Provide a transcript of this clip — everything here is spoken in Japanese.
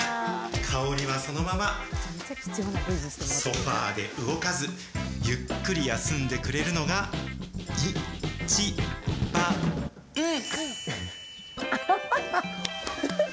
カオリはそのままソファで動かず、ゆっくり休んでくれるのが、い・ち・ば・ん！